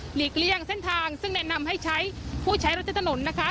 ลีกเลี่ยงเส้นทางซึ่งแนะนำให้ใช้ผู้ใช้รถใช้ถนนนะคะ